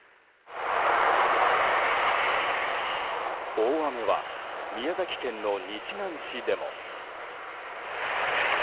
大雨は宮崎県の日南市でも。